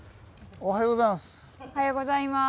おはようございます。